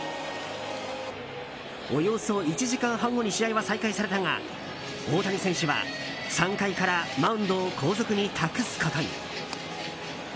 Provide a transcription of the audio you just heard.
およそ１時間半後に試合は再開されたが大谷選手は３回からマウンドを後続に託すことに。